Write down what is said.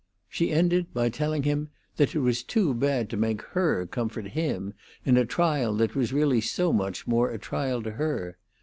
She ended by telling him that it was too bad to make her comfort him in a trial that was really so much more a trial to her.